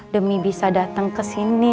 demi bisa dateng kesini